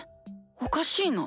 おかしいな。